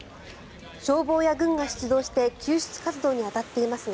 消防や軍が出動して救出活動に当たっていますが